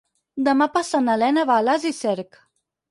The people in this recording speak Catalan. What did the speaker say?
Demà passat na Lena va a Alàs i Cerc.